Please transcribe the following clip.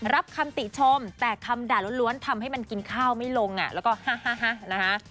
รับคำติชมแต่คำด่าล้วนทำให้มันกินข้าวไม่ลงแล้วก็ฮ่านะคะ